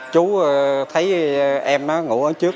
chú thấy em ngủ ở trước